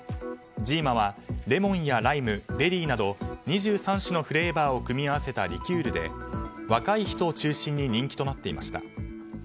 ジーマはレモンやライム、ベリーなど２３種のフレーバーを組み合わせたリキュールで若い人を中心に人気となっていました。